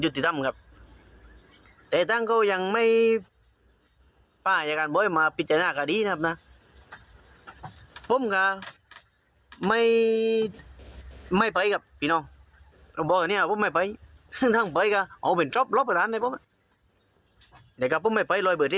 ทั้งคลิป๒